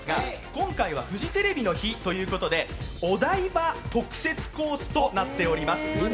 今回はフジテレビの日ということで、お台場特設コースとなっております。